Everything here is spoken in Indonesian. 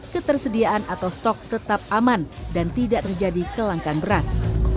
ketersediaan atau stok tetap aman dan tidak terjadi kelangkaan beras